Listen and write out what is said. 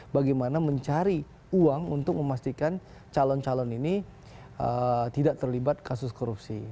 bagaimana mencari uang untuk memastikan calon calon ini tidak terlibat kasus korupsi